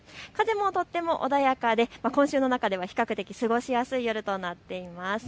風もとっても穏やかで今週の中では比較的過ごしやすい夜となっています。